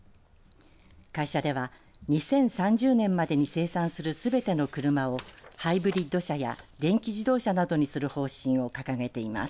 会社では２０３０年までに生産するすべての車をハイブリッド車や電気自動車などにする方針を掲げています。